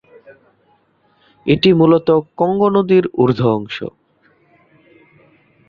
এটি মূলত কঙ্গো নদীর ঊর্ধ্ব অংশ।